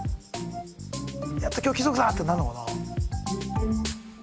「やった今日貴族だ！」ってなるのかな。